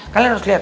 kalian harus liat